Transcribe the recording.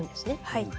はい。